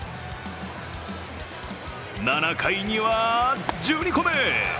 ７回には１２個目。